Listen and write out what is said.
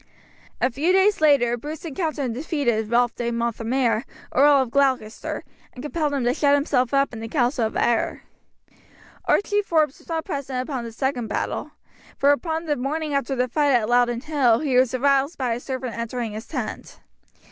A few days later Bruce encountered and defeated Ralph de Monthermer, Earl of Gloucester, and compelled him to shut himself up in the Castle of Ayr. Archie Forbes was not present at the second battle, for upon the morning after the fight at Loudon Hill he was aroused by his servant entering his tent.